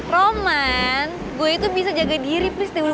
roman gue itu bisa jaga diri please deh